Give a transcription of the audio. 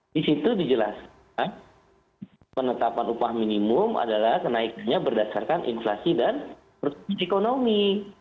di situ dijelaskan penetapan upah minimum adalah kenaikannya berdasarkan inflasi dan pertumbuhan ekonomi